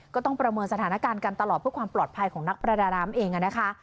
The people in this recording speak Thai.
ก็ต้องประเมินสถานการณ์กันตลอดเพื่อความปลอดภัยของนักประดาน้ำเองนะคะ